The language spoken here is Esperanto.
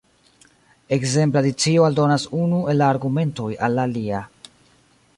Ekzemple adicio aldonas unu el la argumentoj al la alia.